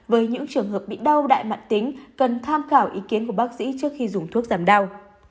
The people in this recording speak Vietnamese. với những trường hợp bị đau đại mạng tính cần tham khảo ý kiến của bác sĩ trước khi dùng thuốc giảm đau